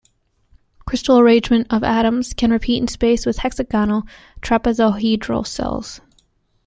Crystal arrangements of atoms can repeat in space with hexagonal trapezohedral cells.